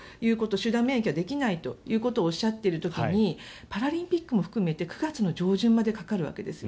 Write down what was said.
集団免疫はできないということをおっしゃっている時にパラリンピックも含めて９月上旬までかかるわけです。